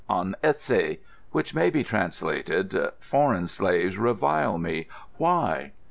On esse?' Which may be translated: '(Foreign) Slaves revile me. Why?